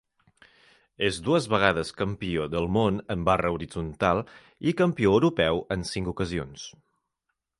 És dues vegades campió del món en barra horitzontal i campió europeu en cinc ocasions.